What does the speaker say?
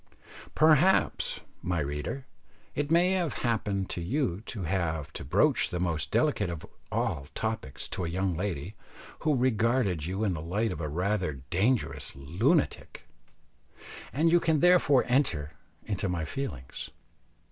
Perhaps, my reader, it may have happened to you to have to broach the most delicate of all topics to a young lady who regarded you in the light of a rather dangerous lunatic, and you can therefore enter into my feelings.